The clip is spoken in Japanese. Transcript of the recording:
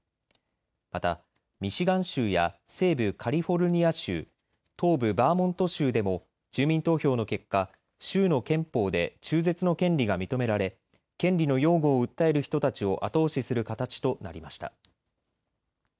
またミシガン州や西部カリフォルニア州、東部バーモント州でも住民投票の結果、州の憲法で中絶の権利が認められ権利の擁護を訴える人たちを後押しする形となりました。